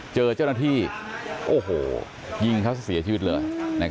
เจอเจ้าหน้าที่โอ้โหยิงเขาเสียชีวิตเลย